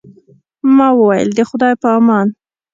ما وویل، د خدای په امان.